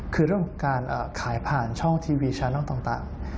คือเรื่องของการขายผ่านช่องทีวีแชร์ช่องต่าง